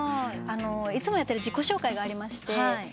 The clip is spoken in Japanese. いつもやってる自己紹介がありまして。